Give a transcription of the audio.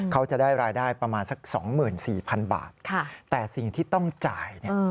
เขาจะได้รายได้ประมาณสัก๒๔๐๐๐บาทแต่สิ่งที่ต้องจ่ายเนี่ย